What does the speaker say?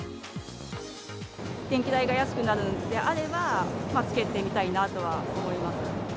電気代が安くなるのであれば、つけてみたいなとは思います。